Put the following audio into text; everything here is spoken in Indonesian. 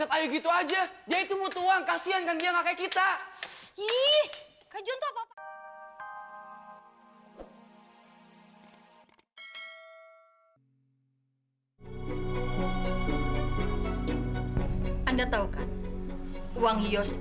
apa ada hubungannya dengan masa lalu yos